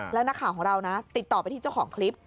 แล้วนักข่าวของเรานะติดต่อไปที่เจ้าของคลิป